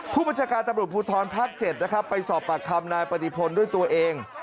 ผู้บัญชาการตำรวจภูทรภาค๗นะครับไปสอบปากคำนายปฏิพลด้วยตัวเอง